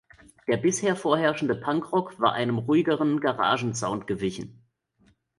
Der bisher vorherrschende Punkrock war einem ruhigeren Garagen-Sound gewichen.